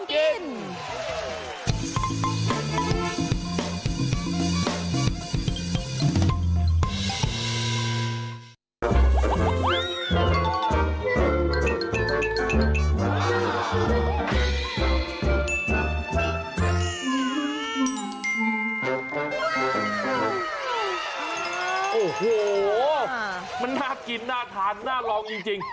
อร่อยยังไม่เป็นที่สบายมันน่ากินน่าทานน่าลองจริง